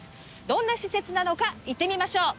どんな施設なのか行ってみましょう。